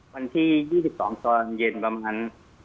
วันที่๒๒ตอนเย็นประมาณ